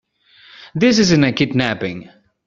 This isn't a kidnapping.